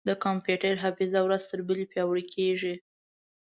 د کمپیوټر حافظه ورځ تر بلې پیاوړې کېږي.